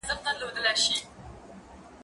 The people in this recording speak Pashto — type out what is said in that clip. زه به سبا د کتابتون د کار مرسته وکړم!.